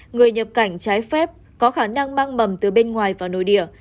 người nhập cảnh trái phép có khả năng mang mầm từ bên ngoài vào nội địa